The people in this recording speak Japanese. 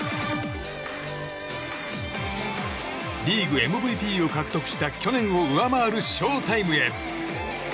リーグＭＶＰを獲得した去年を上回るショータイムへ。